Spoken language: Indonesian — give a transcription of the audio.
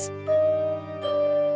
nyonya henders kau pasti